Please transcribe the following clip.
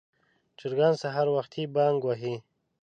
چرګان سهار وختي بانګ وهي.